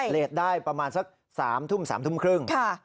ได้ประมาณสัก๓ทุ่ม๓ทุ่มครึ่ง